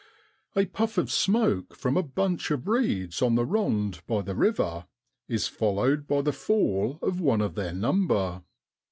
A puff of smoke from a bunch of reeds on the rond by the river is followed by the fall of one of their number.